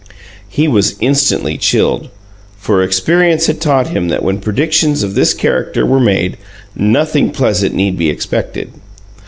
He was instantly chilled, for experience had taught him that when predictions of this character were made, nothing pleasant need be expected.